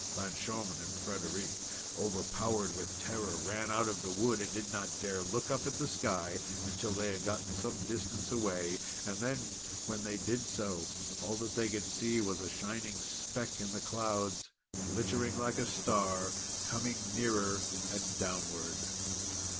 Fanchon and Frederic, overpowered with terror, ran out of the wood, and did not dare to look up at the sky until they had got some distance away. And, then, when they did so, all that they could see, was a shining speck in the clouds, glittering like a star, and coming nearer and downward.